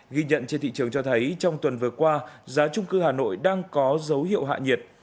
ghi nhận trên thị trường cho thấy trong tuần vừa qua giá trung cư hà nội đang có dấu hiệu hạ nhiệt